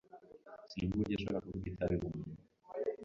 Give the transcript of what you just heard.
Sinumva uburyo ashobora kuvuga itabi mumunwa.